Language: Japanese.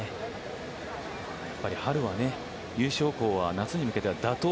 やっぱり春は優勝校は夏に向けては打倒